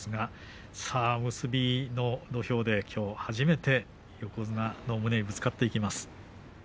さあ結びの土俵できょう初めて横綱の胸にぶつかっていきます。